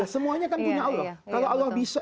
semuanya kan punya allah kalau allah bisa